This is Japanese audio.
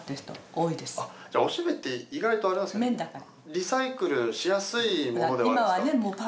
リサイクルしやすいものではあるんですか。